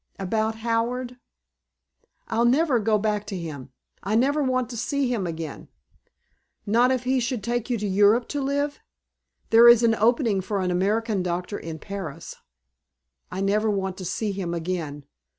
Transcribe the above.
"About Howard?" "I'll never go back to him. I never want to see him again." "Not if he would take you to Europe to live? There is an opening for an American doctor in Paris." "I never want to see him again.